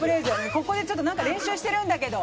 ここでちょっと練習してるんだけど。